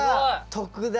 特大！